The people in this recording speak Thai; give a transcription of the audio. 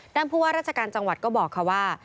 ผู้ว่าราชการจังหวัดก็บอกค่ะว่า